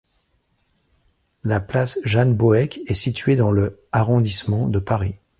La place Jeanne-Bohec est située dans le arrondissement de Paris.